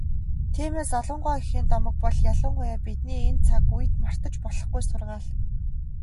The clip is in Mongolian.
Тиймээс, Алан гоо эхийн домог бол ялангуяа бидний энэ цаг үед мартаж болохгүй сургаал.